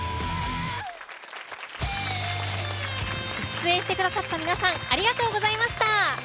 出演してくださった皆さんありがとうございました。